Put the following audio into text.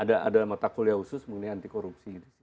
ada mata kuliah khusus mengenai anti korupsi